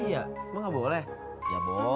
jangan gini dulu biar aku lihat nomornya